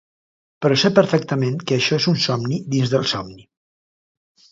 Però sé perfectament que això és un somni dins del somni.